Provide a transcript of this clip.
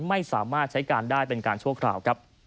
ไม่สามารถใช้การได้เป็นการช่วงข่าว